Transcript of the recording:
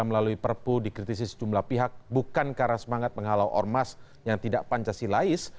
melalui perpu dikritisi sejumlah pihak bukan karena semangat menghalau ormas yang tidak pancasilais